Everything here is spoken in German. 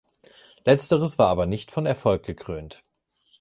Letzteres war aber nicht von Erfolg gekrönt.